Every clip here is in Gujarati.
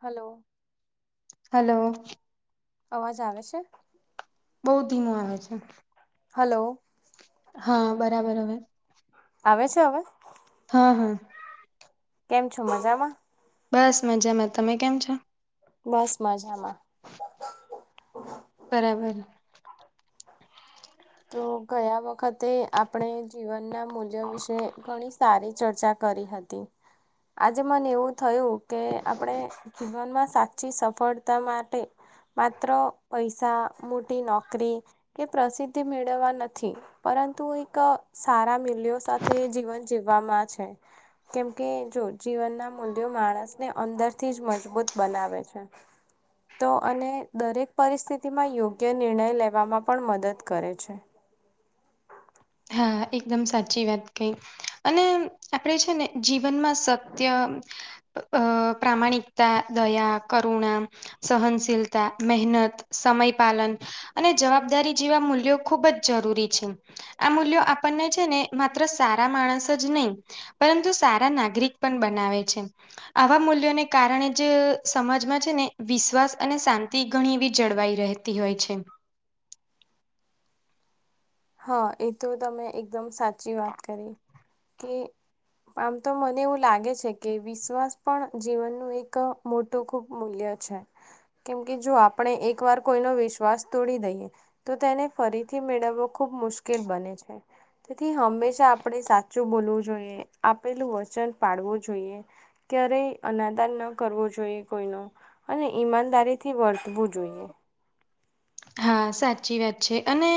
હલો! હલો! અવાજ આવે છે? બઉ ધીમો આવે છે. હલો! હા, બરાબર હવે. આવે છે હવે? હા, હા. કેમ છો મજામા? બસ મજામાં. તમે કેમ છો? બસ મજામાં. બરાબર. તો ગયા વખતે આપણે જીવનના મૂલ્યો વિશે ઘણી સારી ચર્ચા કરી હતી. આજે મને એવું થયું કે આપણે જીવનમાં સાચી સફળતા માટે માત્ર પૈસા, મોટી નોકરી કે પ્રસિદ્ધિ મેળવવા નથી પરંતુ એક સારા મુલ્યો સાથે જીવન જીવવામાં છે. કેમ કે જો જીવનના મૂલ્યો માણસને અંદરથી જ મજબૂત બનાવે છે. તો અને દરેક પરિસ્થિતિમાં યોગ્ય નિર્ણય લેવામાં પણ મદદ કરે છે. હા, એકદમ સાચી વાત કઈ. અને આપણેે છે ને જીવનમાં સત્ય, અ પ્રામાણિકતા, દયા, કરુણા, સહનશીલતા, મહેનત, સમય પાલન અને જવાબદારી જેવા મૂલ્યો ખૂબ જ જરૂરી છે. આ મૂલ્યો આપણને છે ને માત્ર સારા માણસ જ નહીં પરંતુ સારા નાગરિક પણ બનાવે છે. આવા મૂલ્યોને કારણે જ સમાજમાં છે ને વિશ્વાસ અને શાંતિ ઘણી એવી જળવાઈ રહે તી હોય છે. હા એ તો તમે એકદમ સાચી વાત કરી કે આમ તો મને એવું લાગે છે કે વિશ્વાસ પણ જીવનનું એક મો ટુ ખૂબ મૂલ્ય છે કેમ કે જો આપણે એક વાર કોઈનો વિશ્વાસ તોડી દઈએ તો તો તેને ફરીથી મેળવવો ખુબ મુશ્કેલ બને છે. તેથી હંમેશા આપણે સાચું બોલવું જોઈએ. આપેલું વચન પાળવું જોઈએ. ક્યારેય અનાદાન ન કરવો જોઈએ કોઈનો અને ઈમાનદારીથી વર્તવું જોઈએ. હા સાચી વાત છે અને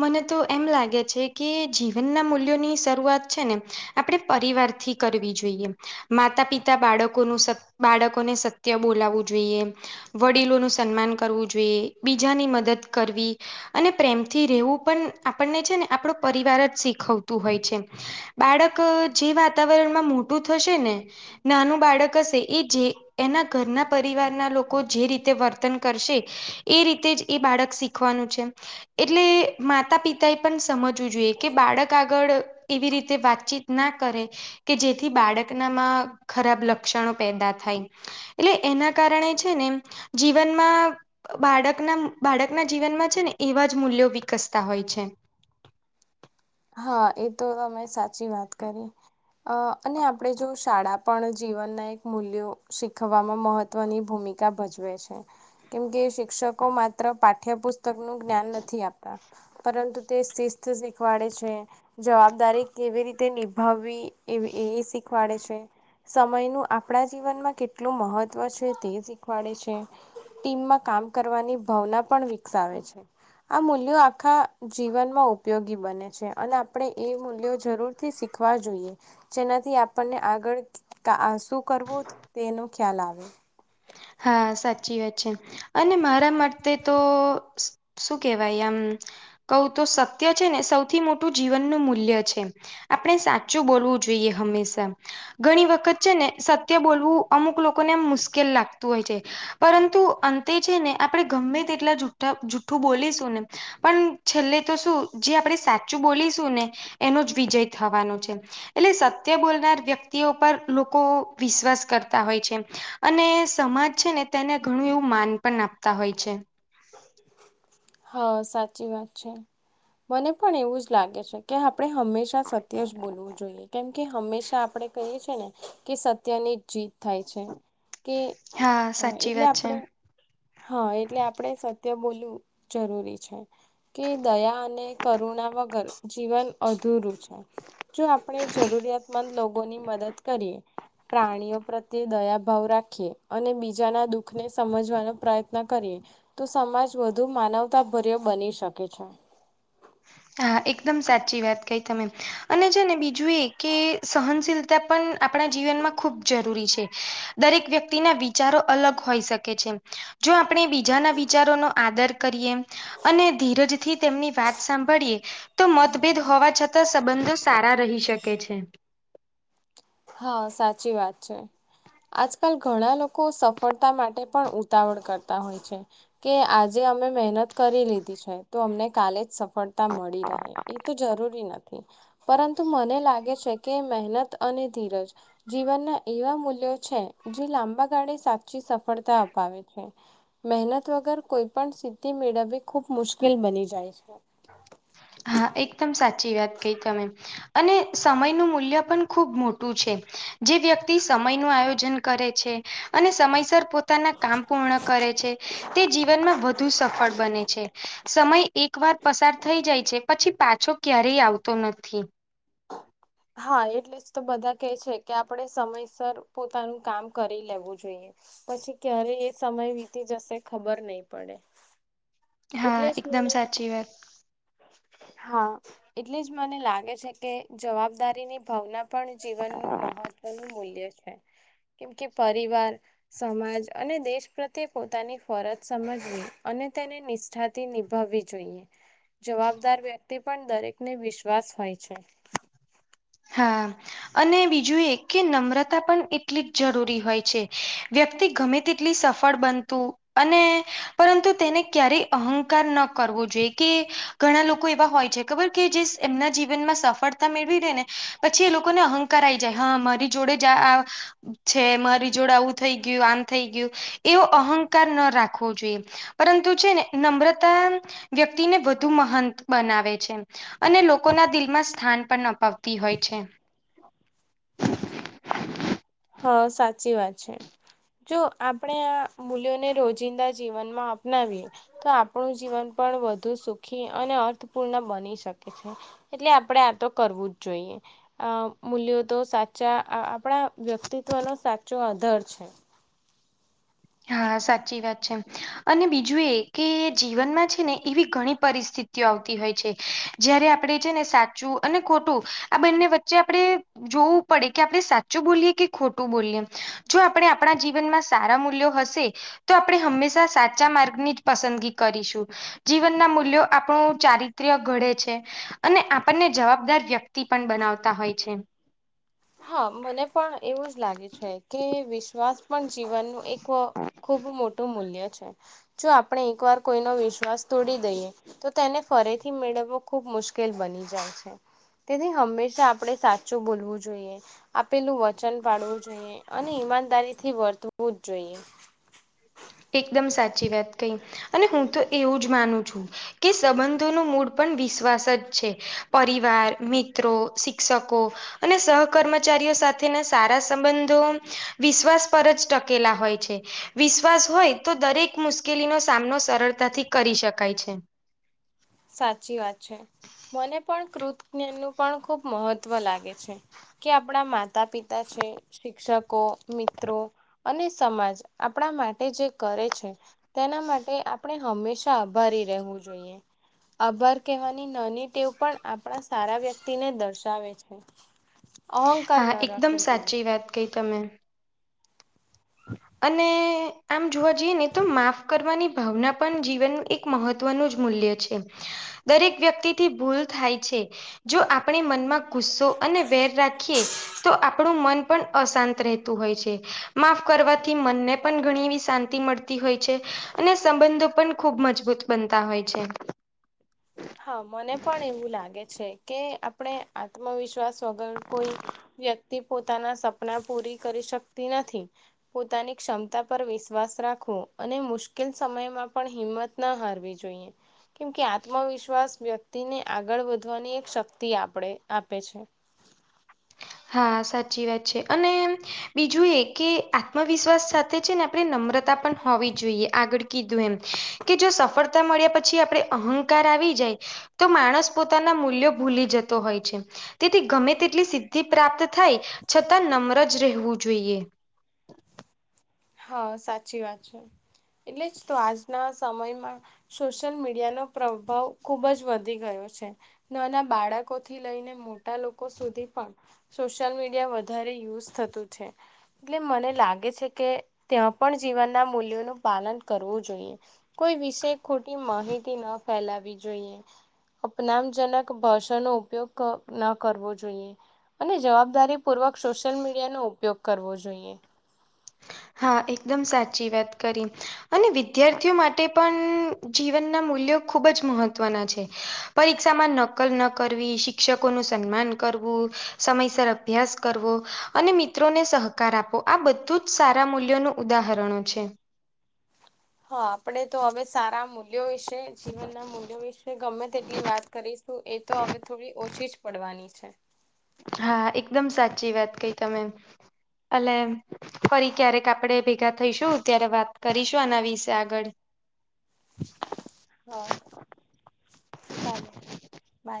મને તો એમ લાગે છે કે જીવનના મૂલ્યોની શરૂઆત છે ને આપણે પરિવારથી કરવી જોઈએ. માતા-પિતા બાળકોનું સત બાળકોને સત્ય બોલાવું જોઈએ, વડીલોનું સન્માન કરવું જોઈએ, બીજાની મદદ કરવી અને પ્રેમથી રહેવું પણ આપણને છે ને આપણો પરિવાર જ શીખવતું હોય છે. બાળક જે વાતાવરણમાં મોટું થશે ને નાનું બાળક હશે એ જે એના ઘરના પરિવારના લોકો જે રીતે વર્તન કરશે એ રીતે જ એ બાળક શીખવાનું છે, એટલે માતા પિતા એ પણ સમજવું જોઈએ કે બાળક આગળ એવી રીતે વાતચીત ના કરે કે જેથી બાળકનામાં ખરાબ લક્ષણો પેદા થાય એટલે એના કારણે છેને જીવનમાં બાળકના બાળકના જીવનમાં છે ને એવા જ મૂલ્યો વિકસતા હોય છે. હા એ તો તમે સાચી વાત કરી. અને આપણે જો શાળા પણ જીવનના એક મૂલ્યો શીખવામાં મહ ત્વની ભૂમિકા ભજવે છે કેમ કે શિક્ષકો માત્ર પાઠ્યપુસ્ત -કનું જ્ઞાન નથી આપતા, પરંતુ તે શિસ્ત શીખવાડે છે. જવાબદારી કેવી રીતે નિભાવવી એ એ શીખવાડે છે, સમયનું આપણા જીવનમાં કેટલું મહત્ત્વ છે તે શીખવાડે છે. ટીમમાં કામ કરવાની ભાવના પણ વિકસાવે છે. આ મૂલ્યો આખા જીવનમાં ઉપયોગી બને છે. અને આપણે એ મૂલ્યો જરૂરથી શીખવા જોઈએ. જેનાથી આપણને આગળ આ શું કરવું તેનો ખ્યાલ આવે હા સાચી વાત છે. અને મારા માટે તો શું કેવાય આમ કહું તો સત્ય છે ને સૌથી મોટું જીવનનું મૂલ્ય છે આપણે સાચું બોલવું જોઈએ હંમેશા ઘણી વખત છે ને સત્ય બોલવું અમુક લોકોને એમ મુશ્કેલ લાગ તુ હોય છે પરંતુ અંતે છે ને આપણે ગમે તેટલા જૂઠા જૂઠું બોલીશું ને પણ છેલ્લે તો શું જે આપણે સાચું બોલીશું ને એનો જ વિજય થવાનો છે. એટલે સત્ય બોલનાર વ્યક્તિઓ પર લોકો વિશ્વાસ કરતા હોય છે એમ અને સમાજ છે ને તેને ઘણું એવું માન પણ આપતા હોય છે. હા સાચી વાત છે મને પણ એવું જ લાગે છે. કે આપણે હંમેશા સત્ય જ બોલવું જોઈએ કેમ કે હંમેશા આપણે કહીએ છીએ ને કે સત તેની જ જીત થાય છે કે હા સાચી એટલે વાત છે આપણે હા એટલે આપણે સત્ય બોલવું જરૂરી છે. કે દયા અને કરુણા વગર જીવન અધૂરું છે. જો આપણે જરૂરિયાતમંદ લોકોની મદદ કરીએ પ્રાણીઓ પ્રત્યે દયાભાવ રાખીએ અને બીજાના દુઃખને સમજવાનો પ્રયત્ન કરીએ તો સમાજ વધુ માનવતાભર્યો બની શકે છે. હા એકદમ સાચી વાત કઈ તમે અને છે ને બીજું એ કે સહનશીલ તા પણ આપણા જીવનમાં ખૂબ જરૂરી છે. દરેક વ્યક્તિના વિચારો અલગ હોઈ શકે છે. જો આપણે બીજાના વિચારોનો આદર કરીએ અને ધીરજથી તેમની વાત સાંભળીએ તો મતભેદ હોવા છ તા સંબંધો સારા રહી શકે છે. હા સાચી વાત છે. આજકાલ ઘણા લોકો સફળતા માટે પણ ઉતાવળ કરતા હોય છે. કે આજે અમે મહેનત કરી લીધી છે તો અમને કાલે જ સ ફળતા મળી રહે એ તો જરૂરી નથી પરંતુ મને લાગે છે કે મહેનત અને ધીરજ જીવનના એવા મૂલ્યો છે જે લાંબા ગાળે સાચી સફળતા અપાવે છે. મહેનત વગર કોઈપણ સિદ્ધિ મેળવવી ખૂબ મુશ્કેલ બની જાય છે. હા એકદમ સાચી વાત કઈ તમે. અને સમયનું મૂલ્ય પણ ખુબ મોટું છે. જે વ્યક્તિ સમયનું આયોજન કરે છે. અને સમયસર પોતાના કામ પૂર્ણ કરે છે, તે જીવનમાં વધુ સફળ બને છે, સમય એક વાર પસાર થઈ જાય છે પછી પાછો ક્યારેય આવતો નથી. હા એટલે જ તો બધા કે છે કે આપણે સમયસર પોતાનું કામ કરી લેવું જોઈએ. પછી ક્યારે એ સમય વીતી જશે ખબર નહી પડે. હા એટલે જ એકદમ મને સાચી વાત હા એટલે જ મને લાગે છે કે જવાબદારીની ભાવના પણ જીવનનું મહત્વનું મૂલ્ય છે કેમ કે પરિવાર સમાજ અને દેશ પ્રત્યે પોતાની ફરજ સમજવી અને તેને નિ ષ્ઠાતી નિભાવવી જોઈએ. જવાબદાર વ્યક્તિ પણ દરેકને વિશ્વાસ હોય છે. હા અને બીજું એ કે નમ્રતા પણ એટલી જ જરૂરી હોય છે. વ્યક્તિ ગમે તેટલી સફળ બનતું અને પરંતુ તેને ક્યારેય અહંકાર ન કરવુ જોઈ કે ઘણા લોકો એવા હોય છે ખબર કે જે એમના જીવનમાં સફળતા મેળવી લેય ને પછી એ લોકોને અહંકાર આવી જાય હા મારી જોડે જ આ આ છે મારી જોડે આવું થઈ આમ થઈ ગયું એવો અહંકાર ન રાખવો જોઈએ. પરંતુ છે ને નમ્રતા વ્યક્તિને વધુ મહંત બનાવે છે. અને લોકો દિલમાં સ્થાન પણ અપાવતી છે. હા સાચી વાત છે. જો આપણે આ મૂલ્યોને રોજિંદા જીવનમાં અપનાવીએ. તો આપણું જીવન પણ વધુ સુખી અને અર્થપૂર્ણ બની શકે છે. એટલે આ તો કરવું જ જોઈએ, અ મૂલ્યો તો સાચા આપણા વ્યક્તિત્વનો સાચો આધર છે. હા સાચી વાત છે. અને બીજું એ કે જીવનમાં છે ને એવી ઘણી પરિસ્થિતિઓ આવતી હોય છે. જયારે આપણે છે ને સાચું અને ખોટું આ બંન્ને વચ્ચે આપડે જોવું પડે કે આપણે સાચું બોલીએ કે ખોટું બોલીએ, જો આપણે આપણા જીવનમાં સારા મૂલ્યો હશે તો આપણે હંમેશા સાચા માર્ગની જ પસંદગી કરીશું. જીવનના મૂલ્યો આપણું ચારિત્ર્ય ઘડે છે. અને આપણને જવાબદાર વ્યક્તિ પણ બનાવતા હોય છે. હા મને પણ એવું જ લાગે છે કે વિશ્વાસ પણ જીવનનું એક ખૂબ મોટું મૂલ્ય છે. જો આપણે એક વાર કોઈનો વિશ્વાસ તોડી દઈએ. તો તેને ફરીથી મેળવવો ખુબ મુશ્કેલ બની જાય છે. તેથી હંમેશા આપડે સાચું બોલવું જોઈએ આપેલું વચન પાડવું જોઈએ અને ઈમાનદારીથી વર્તવું જ જોઈએ. એકદમ સાચી વાત કહી અને હું તો એવું જ માનું છું. કે સંબંધોનું મૂળ પણ વિશ્વાસ જ છે પરિવાર, મિત્રો, શિક્ષકો અને સહ કર્મચારીઓ સાથેના સારા સંબંધો વિશ્વાસ પર જ ટકેલા હોય છે. વિશ્વાસ હોય તો દરેક મુશ્કેલીનો સામનો સરળતાથી કરી શકાય છે. સાચી વાત છે મને પણ કૃત જ્ઞાન નું પણ ખૂબ મહત્વ લાગે છે. કે આપણા માતા પિતા છે શિક્ષકો મિત્રો. અને સમાજ આપણા માટે જે કરે છે. તેના માટે આપણે હંમેશા આભારી રહેવું જોઈએ. આભાર કહેવાની નાની ટેવ પણ આપણા સારા વ્યક્તિને દર્શાવે છે. અહંકાર ના રાખવું જોઈએ. કં તમે. અને આમ જોવા જઈએ ને તો માફ કરવાની ભાવના. પણ જીવન એક મહત્વનું જ મૂલ્ય છે. દરેક વ્યક્તિ થી ભૂલ થાય છે જો આપણે મનમાં. ગુસ્સો અને વેર રાખીએ તો આપણું મન. અશાંત રહેતું હોય છે માફ કરવાથી મનને પણ ઘણી એવી શાંતિ મળતી. હોય છે અને સંબંધો પણ ખૂબ મજબૂત બનતા હોય છે. હા મને પણ એવું લાગે છે કે આપણે આત્મવિશ્વાસ. વગર કોઈ વ્યક્તિ પોતાના સપના પૂરી કરી શકતી નથી. પોતાની ક્ષમતા પર વિશ્વાસ રાખવો અને મુશ્કેલ સમયમાં પણ હિંમત. ના હારવી જોઈએ કેમ કે આત્મવિશ્વાસ. વિશ્વાસ વ્યક્તિને આગળ વધવાની એક શક્તિ આપણે આપે છે. હા સાચી વાત છે અને બીજું એ કે આત્મવિશ્વાસ સાથે છે ને આપણે ન. નમ્રતા પણ હોવી જોયે આગળ. કીધું એમ કે જો સફળતા મળ્યા પછી આપડે અહંકાર આવી જાય તો માણસ પોતાના મૂલ્યો ભૂલી જતો હોય છે તેથી ગમે તેટલી તે પ્રાપ્ત થાય છતાં નમ્ર જ રહેવું જોઈએ. હા સાચી વાત છે એટલે જ તો આજના સમયમાં સોશિયલ મીડિયાનો પ્રભાવ ખુબ જ વધી ગયો છે. નાના બાળકોથી લઈને મોટા લોકો સુધી પણ સોશિયલ મીડિયા વધારે યુઝ થતું છે એટલે મને લાગે છે કે ત્યાં પણ જીવનના મૂલ્યોનું પાલન કરવું જોઈએ. કોઈ વિશે ખોટી માહિતી ના ફેલાવી જોઈએ. અપનામજનક ભાષાનો ઉપયોગ ન કરવો જોઈએ. અને જવાબદારી પૂર્વક સોશિયલ મીડિયાનોો ઉપયોગ કરવો જોઈએ. હા એકદમ સાચી વાત કરી. અને વિદ્યાર્થીઓ માટે પણ જીવનના મૂલ્યો ખૂબ જ મહત્વના છે. પરીક્ષામાં નકલ ન કરવી શિક્ષકોનું સન્માન કરવું સમયસર અભ્યાસ કરવો. અને મિત્રોને સહકાર આપો આ બધું જ સારા મૂલ્યોનું ઉદાહરણો છે. હા આપડે તો હવે સારા મૂલ્યો વિશે જીવનના મૂલ્યો વિશે ગમે તેટલી વાત કરીશું એ તો હવે થોડી ઓછી જ પડવાની છે. હા એકદમ સાચી વાત કય તમે અને ફરી ક્યારેક આપણેે ભેગા થઈશું ત્યારે વાત કરીશું આના વિશે આગળ હા ચાલો બાય.